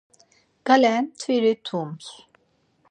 Gale mtviri mtums.